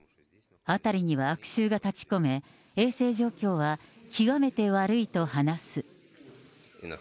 辺りには悪臭が立ち込め、衛生状況は極めて悪いと話す。